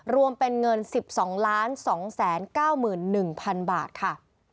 รวมเป็นเงิน๑๒๒๙๑๐๐๐บาทค่ะ